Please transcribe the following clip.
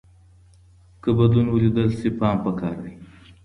که بدلون ولیدل شي پام پکار دی.